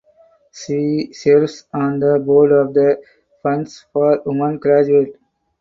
She serves on the board of the Funds for Women Graduates.